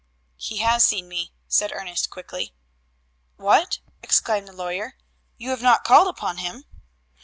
"He has seen me," said Ernest quickly. "What!" exclaimed the lawyer. "You have not called upon him?"